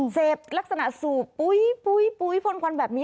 เสพลักษณะสูบปุ๊ยพ่นควันแบบนี้